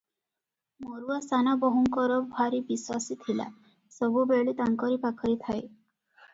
ମରୁଆ ସାନ ବୋହୂଙ୍କର ଭାରି ବିଶ୍ୱାସୀ ଥିଲା, ସବୁବେଳେ ତାଙ୍କରି ପାଖରେ ଥାଏ ।